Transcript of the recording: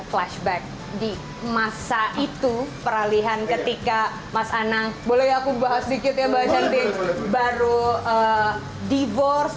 slashback di masa itu peralihan ketika mas anang boleh aku bahas dikit ya bahas seeing baru divorce